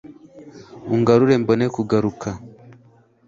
ungarure mbone kugaruka